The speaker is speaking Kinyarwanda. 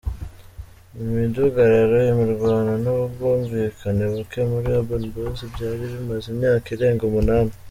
Imidugararo, imirwano n’ubwumvikane buke muri Urban Boyz byari bimaze imyaka irenga umunani.